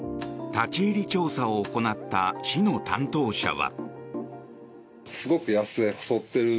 立ち入り調査を行った市の担当者は。